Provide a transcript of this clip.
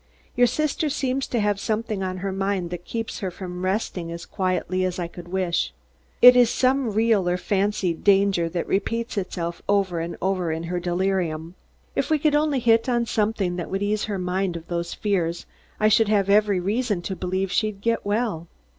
"Your sister seems to have something on her mind that keeps her from resting as quietly as I could wish. It is some real or fancied danger that repeats itself over and over in her delirium. If we could only hit on something that would ease her mind of those fears, I should have every reason to believe she'd get well.